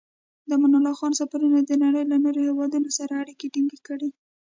د امان الله خان سفرونو د نړۍ له نورو هېوادونو سره اړیکې ټینګې کړې.